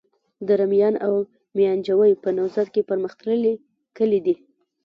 دره میان او ميانجوی په نوزاد کي پرمختللي کلي دي.